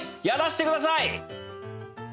やらして下さい！